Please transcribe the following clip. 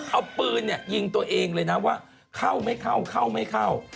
เอาปืนยิงตัวเองเลยนะว่าเข้าไม่เข้าเข้าไม่เข้า